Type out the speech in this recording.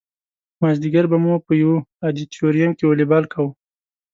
مازدیګر به مو په یو ادیتوریم کې والیبال کاوه.